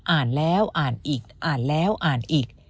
อ่านแล้วอ่านอีกอ่านแล้วอ่านอีก